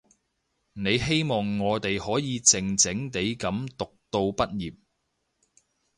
你希望我哋可以靜靜地噉讀到畢業